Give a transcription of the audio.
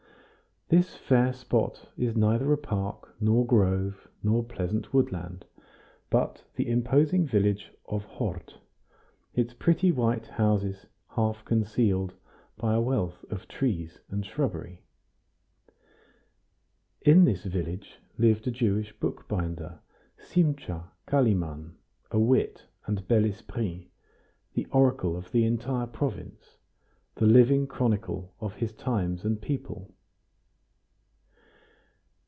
This fair spot is neither a park nor grove nor pleasant woodland, but the imposing village of Hort, its pretty white houses half concealed by a wealth of trees and shrubbery. In this village lived a Jewish bookbinder, Simcha Kalimann, a wit and bel esprit, the oracle of the entire province, the living chronicle of his times and people.